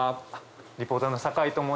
リポーターの酒井と申します。